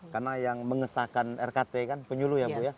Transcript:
karena yang mengesahkan rkt kan penyuluh ya bu ya